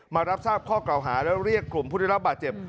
มารับทราบข้อเก่าหาและเรียกกลุ่มผู้ได้รับบาดเจ็บ